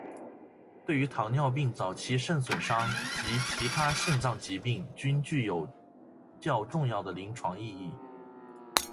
对于糖尿病早期肾损伤及其他肾脏疾病均具有较重要的临床意义。